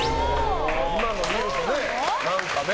今のを見るとね、何かね。